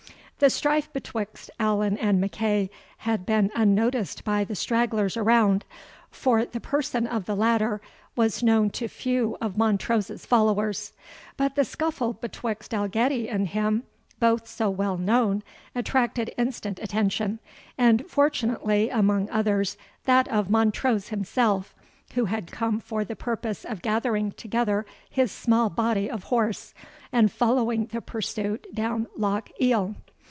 The strife betwixt Allan and MacEagh had been unnoticed by the stragglers around, for the person of the latter was known to few of Montrose's followers; but the scuffle betwixt Dalgetty and him, both so well known, attracted instant attention; and fortunately, among others, that of Montrose himself, who had come for the purpose of gathering together his small body of horse, and following the pursuit down Loch Eil.